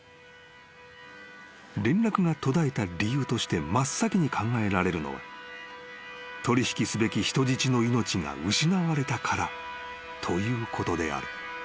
［連絡が途絶えた理由として真っ先に考えられるのは取引すべき人質の命が失われたからということである］